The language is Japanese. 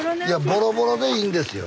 ボロボロでいいんですよ。